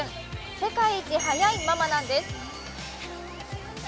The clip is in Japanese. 世界一速いママなんです。